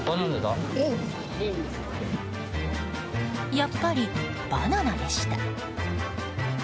やっぱりバナナでした。